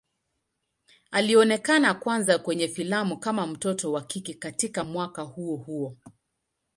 Alionekana kwanza kwenye filamu kama mtoto wa kike katika mwaka huo huo.